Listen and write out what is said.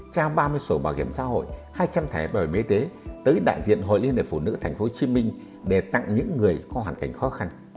trao ba mươi sổ bảo hiểm xã hội hai trăm linh thẻ bảo hiểm y tế tới đại diện hội liên hiệp phụ nữ tp hcm để tặng những người có hoàn cảnh khó khăn